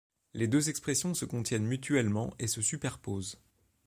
Les deux expressions se contiennent mutuellement et se superposent.